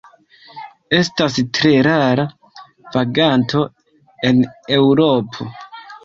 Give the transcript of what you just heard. Estas tre rara vaganto en Eŭropo.